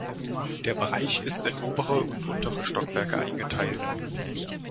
Der Bereich ist in obere und untere Stockwerke eingeteilt.